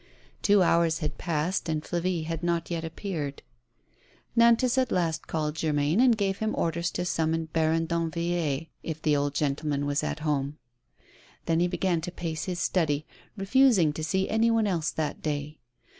Two hours had passed and Flavie had not yet ap peared. Nantas at last called Germain, and gave him orders to summon Baron Danvilliers, if the old gentle man was at home. Then he began to pace his study, refusing to see any one else that day.